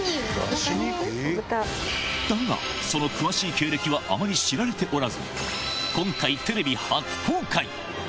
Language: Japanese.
だが、その詳しい経歴は、あまり知られておらず、今回、テレビ初公開。